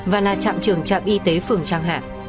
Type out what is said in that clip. và là trạm trường trạm y tế phường trang hạ